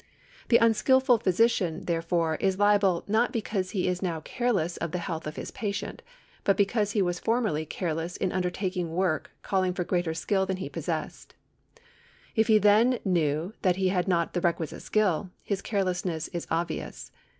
The unskilful physician, therefore, is liable not because he is now careless of the health of his patient, but because he was formerly careless in undertaking work calling for greater skill than he possessed. If he then knew that he had not the requisite skill, his carelessness is obvious.